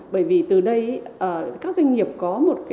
bởi vì từ đây các doanh nghiệp có một cái